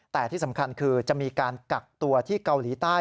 แต่ที่สำคัญคือจะมีการกักตัวที่เกาหลีใต้